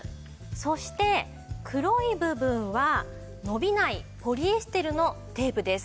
そして黒い部分は伸びないポリエステルのテープです。